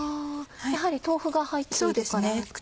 やはり豆腐が入っているから。